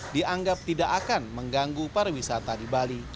dianggap tidak akan mengganggu pariwisata di bali